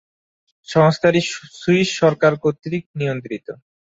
সংস্থাটি সুইস সরকার কর্তৃক নিয়ন্ত্রিত।